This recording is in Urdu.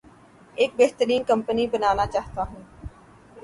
ایک بہترین کمپنی بنانا چاہتا ہوں